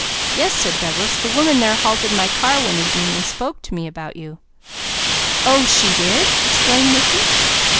"Yes," said Douglas. "The woman there halted my car one evening and spoke to me about you." "Oh she did?" exclaimed Mickey.